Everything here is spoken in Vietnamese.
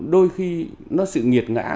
đôi khi nó sự nghiệt ngã